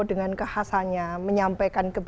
dengan kehasannya menyampaikan